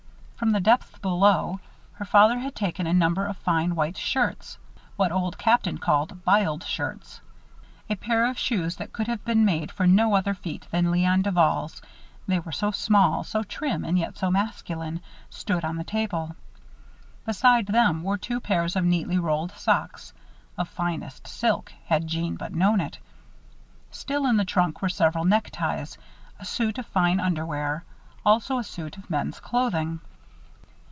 From the depths below, her father had taken a number of fine white shirts what Old Captain called "b'iled shirts." A pair of shoes that could have been made for no other feet than Léon Duval's they were so small, so trim, and yet so masculine stood on the table. Beside them were two pairs of neatly rolled socks of finest silk, had Jeanne but known it. Still in the trunk were several neckties, a suit of fine underwear, also a suit of men's clothing.